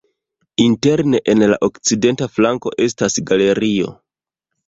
Interne en la okcidenta flanko estas galerio.